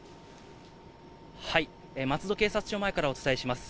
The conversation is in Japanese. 松戸警察署前からお伝えします。